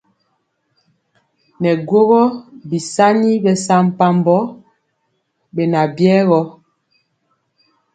Nɛ guógó bisaŋi bɛsampabɔ beŋan byigɔ.